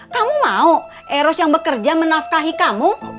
kamu mau eros yang bekerja menafkahi kamu